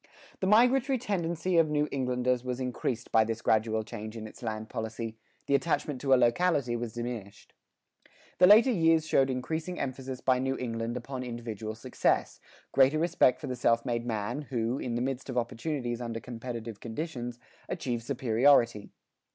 The migratory tendency of New Englanders was increased by this gradual change in its land policy; the attachment to a locality was diminished. The later years showed increasing emphasis by New England upon individual success, greater respect for the self made man who, in the midst of opportunities under competitive conditions, achieved superiority.